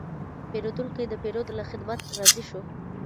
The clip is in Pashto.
پیرودونکی د پیرود له خدمت راضي شو.